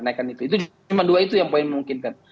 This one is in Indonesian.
itu cuma dua itu yang poin memungkinkan